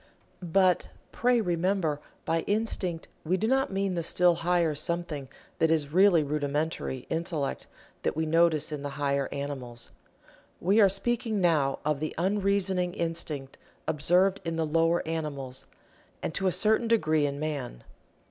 But, pray remember, by Instinct we do not mean the still higher something that is really rudimentary Intellect that we notice in the higher animals. We are speaking now of the unreasoning instinct observed in the lower animals, and to a certain degree in man.